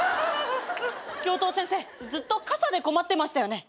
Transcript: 教頭先生ずっと傘で困ってましたよね。